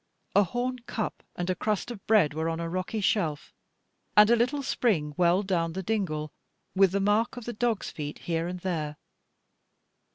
A horn cup and a crust of bread were on a rocky shelf, and a little spring welled down the dingle, with the mark of the dog's feet here and there.